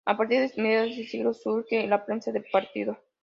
A partir de mediados de siglo surge la prensa de partido.